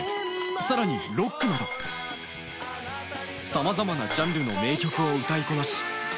さらにロックなどさまざまなジャンルの名曲を歌いこなし